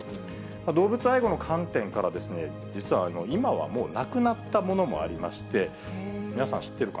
動物愛護の観点から、実は今はもうなくなったものもありまして。